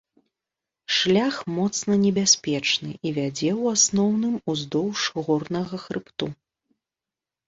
Шлях моцна небяспечны і вядзе ў асноўным уздоўж горнага хрыбту.